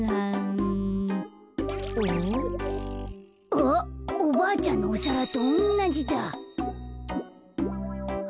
あっおばあちゃんのおさらとおんなじだ。